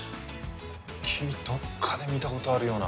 君どっかで見たことあるような。